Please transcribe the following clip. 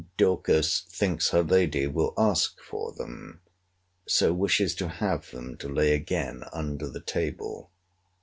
Dorcas thinks her lady will ask for them: so wishes to have them to lay again under the table.